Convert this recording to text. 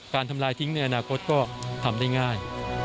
ทำลายทิ้งในอนาคตก็ทำได้ง่าย